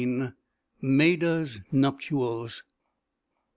MAIDA'S NUPTIALS.